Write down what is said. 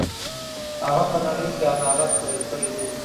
هغه په نړۍ کې عدالت پلی کړی دی.